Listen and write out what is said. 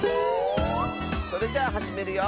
それじゃあはじめるよ！